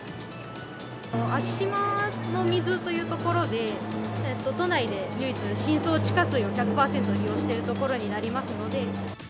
昭島の水というところで、都内で唯一、深層地下水を１００％利用してる所になりますので。